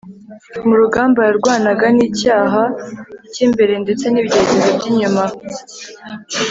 mu rugamba yarwanaga n'icyaha cy'imbere ndetse n'ibigeragezo by'inyuma